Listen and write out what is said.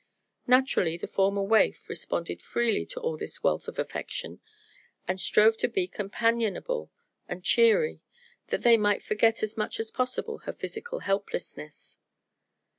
Naturally the former waif responded freely to all this wealth of affection and strove to be companionable and cheery, that they might forget as much as possible her physical helplessness.